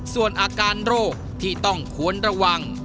ส่วนอาการโรคที่ต้องควรระวัง